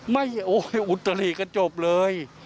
ไม่อุตริก็จบเลย